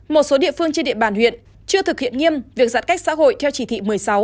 một số địa phương trên địa bàn huyện chưa thực hiện nghiêm việc giãn cách xã hội theo chỉ thị một mươi sáu